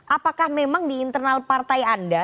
apakah memang di internal partai anda